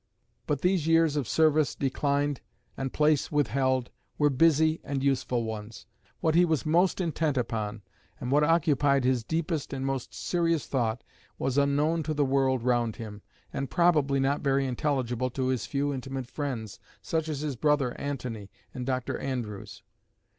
But these years of service declined and place withheld were busy and useful ones. What he was most intent upon, and what occupied his deepest and most serious thought, was unknown to the world round him, and probably not very intelligible to his few intimate friends, such as his brother Antony and Dr. Andrewes.